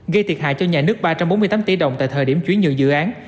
gây thiệt hại cho nhà nước ba trăm bốn mươi tám tỷ đồng tại thời điểm chuyển nhượng dự án